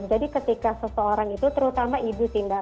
jadi ketika seseorang itu terutama ibu sih mbak